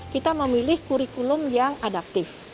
kita memilih kurikulum yang adaptif